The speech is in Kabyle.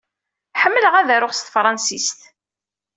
Ḥemmleɣ ad aruɣ s tefṛensist.